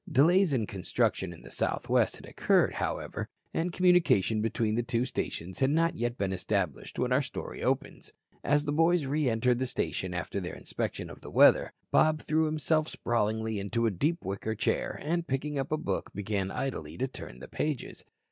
Delays in construction in the Southwest had occurred, however, and communication between the two stations had not yet been established when our story opens. As the boys re entered the station after their inspection of the weather, Bob threw himself sprawlingly into a deep wicker chair and, picking up a book, began idly to turn the pages.